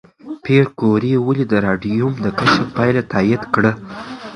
پېیر کوري ولې د راډیوم د کشف پایله تایید کړه؟